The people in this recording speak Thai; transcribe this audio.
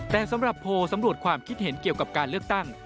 แต่สำหรับโพลสำรวจความคิดเห็นเกี่ยวกับการเลือกตั้ง